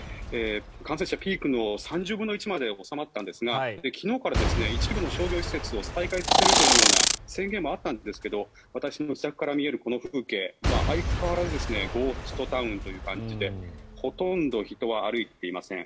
感染者、ピークの３０分の１まで収まったんですが昨日から一部の商業施設を再開されるというような宣言もあったんですが私の自宅から見えるこの風景相変わらずゴーストタウンという感じでほとんど人は歩いていません。